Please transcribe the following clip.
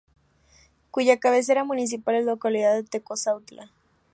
Cuya cabecera municipal es la localidad de Tecozautla.